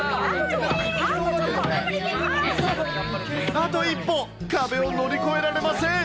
あと一歩、壁を乗り越えられません。